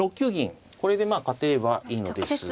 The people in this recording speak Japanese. これでまあ勝てればいいのですが。